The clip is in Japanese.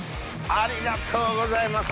ありがとうございます。